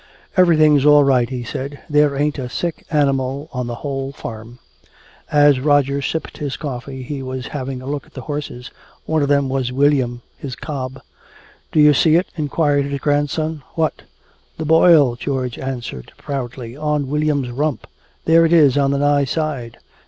"Everything's all right," he said. "There ain't a sick animal on the whole farm." As Roger sipped his coffee he was having a look at the horses. One of them was William, his cob. "Do you see it?" inquired his grandson. "What?" "The boil," George answered proudly, "on William's rump. There it is on the nigh side.